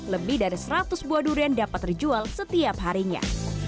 lebih dari seratus buah durian dapat terjual setiap harinya